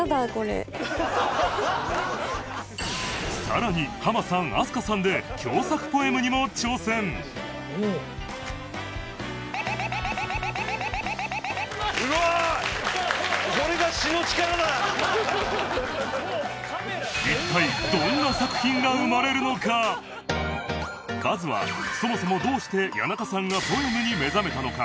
さらにハマさん飛鳥さんで一体まずはそもそもどうして谷中さんがポエムに目覚めたのか？